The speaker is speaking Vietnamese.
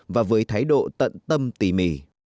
và với thái độ tận tâm tỉ mỉ